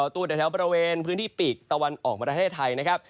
ตัวแถวบริเวณพื้นที่ปีกตะวันออกประเทศไทยนะครับ